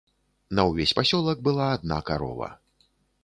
На ўвесь пасёлак была адна карова.